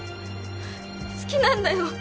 好きなんだよ。